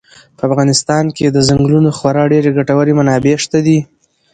په افغانستان کې د ځنګلونو خورا ډېرې ګټورې منابع شته دي.